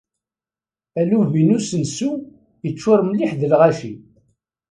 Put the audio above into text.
Alubi n usensu yeččuṛ mliḥ d lɣaci.